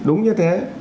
đúng như thế